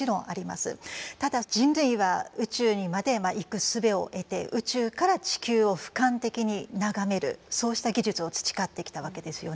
ただ人類は宇宙にまで行くすべを得て宇宙から地球をふかん的に眺めるそうした技術を培ってきたわけですよね。